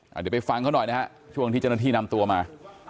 เดี๋ยวไปฟังเขาหน่อยนะฮะช่วงที่เจ้าหน้าที่นำตัวมา